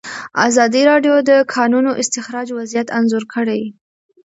ازادي راډیو د د کانونو استخراج وضعیت انځور کړی.